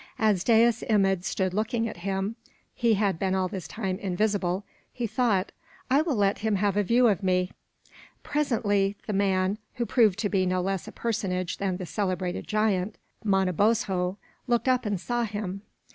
As Dais Imid stood looking at him he had been all this time invisible he thought: "I will let him have a view of me." Presently the man, who proved to be no less a personage than the celebrated giant, Manabozho, looked up and saw him.